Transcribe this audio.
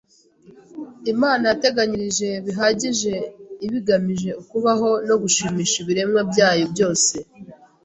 Imana yateganyirije bihagije ibigamije ukubaho no gushimisha ibiremwa byayo byose